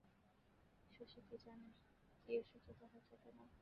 শশী কি জানে না, কী অসহ্য তাহার যাতনা?